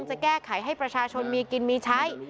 จะแก้ไขให้ประชาชนมีกินมีใช้